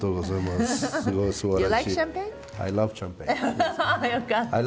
すばらしい。